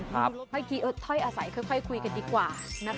เมื่อกี้เอิ้นเท่าไรใส่ค่อยคุยกันดีกว่านะคะ